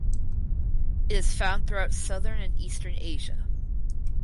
It is found throughout southern and eastern Asia.